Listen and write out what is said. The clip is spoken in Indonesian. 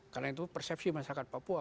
karena itu persepsi masyarakat papua